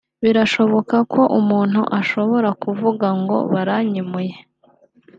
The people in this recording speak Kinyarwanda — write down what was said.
Birashoboka ko umuntu ashobora kuvuga ngo baranyimuye